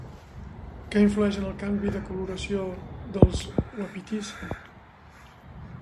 Què influeix en el canvi de coloració dels uapitís?